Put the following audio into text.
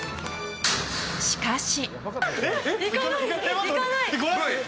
しかし。